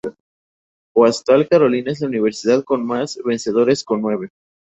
Coastal Carolina es la universidad con más vencedores con nueve.